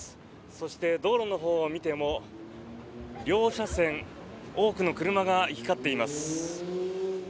そして、道路のほうを見ても両車線多くの車が行き交っています。